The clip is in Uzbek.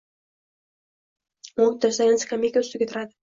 O'ng tirsagini skameyka ustiga tiradi.